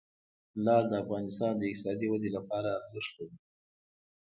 لعل د افغانستان د اقتصادي ودې لپاره ارزښت لري.